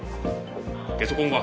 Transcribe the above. ゲソ痕は？